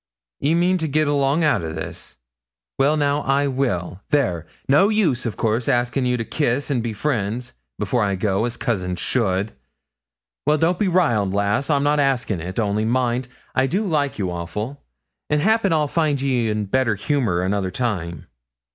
'Ye mean to get along out o' this? Well, now, I will. There! No use, of course, askin' you to kiss and be friends, before I go, as cousins should. Well, don't be riled, lass, I'm not askin' it; only mind, I do like you awful, and 'appen I'll find ye in better humour another time.